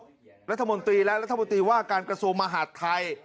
มศนวิรากูลของรัฐบนตรีละถ้ามนตรีว่าการกระโสมหาดทาย